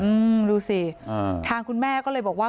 อืมดูสิอ่าทางคุณแม่ก็เลยบอกว่า